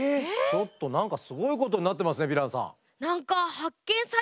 ちょっと何かすごいことになってますねヴィランさん。